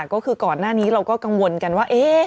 ก็คือก่อนหน้านี้เราก็กังวลกันว่า